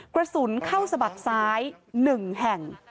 กระสุนเข้าสะบักซ้าย๑แห่ง